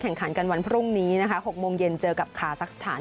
แข่งขันกันวันพรุ่งนี้นะคะ๖โมงเย็นเจอกับคาซักสถาน